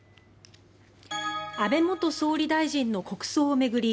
安倍元総理大臣の国葬を巡り